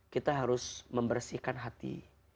kita harus membersihkan hati